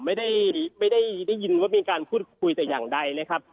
ไม่ได้ไม่ได้ยินว่ามีการพูดคุยแต่อย่างใดนะครับ